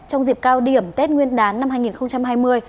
trong dịp cao điểm tết nguyên đán năm hai nghìn hai mươi